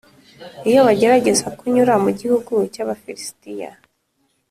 iyo bagerageza kunyura mu gihugu cy’abafirisitiya,